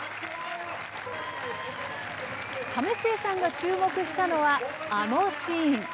為末さんが注目したのは、あのシーン。